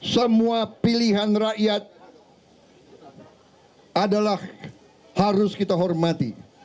semua pilihan rakyat adalah harus kita hormati